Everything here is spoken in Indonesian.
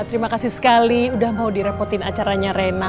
terima kasih sekali udah mau direpotin acaranya rena